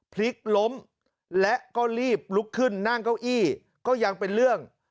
พลิกล้มและก็รีบลุกขึ้นนั่งเก้าอี้ก็ยังเป็นเรื่อง